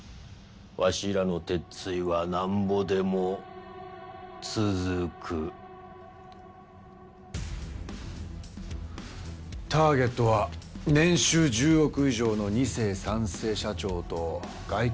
「わしらの鉄ついはなんぼでもつづく」ターゲットは年収１０億以上の二世三世社長と外国人経営者か。